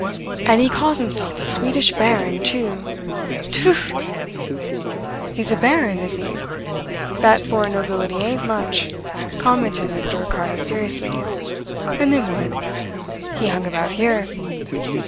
And he calls himself a Swedish baron, too! Tfui!" "He's a baron, is he? That foreign nobility ain't much," commented Mr. Ricardo seriously. "And then what? He hung about here!"